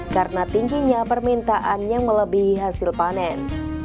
karena tingginya permintaan yang melebihi hasil panen